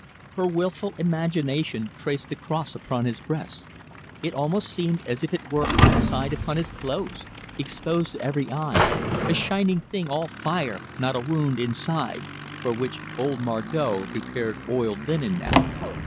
Her wilful imagination traced the cross upon his breast it almost seemed as if it were outside upon his clothes, exposed to every eye, a shining thing all fire, not a wound inside, for which old Margot prepared oiled linen now.